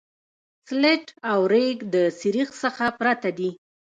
سلټ او ریګ د سریښ څخه پرته دي